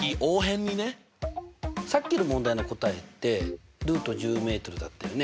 さっきの問題の答えってｍだったよね。